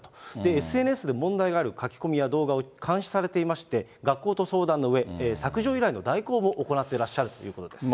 ＳＮＳで問題がある書き込みや動画を監視されていまして、学校と相談のうえ、削除依頼の代行も行っていらっしゃるということです。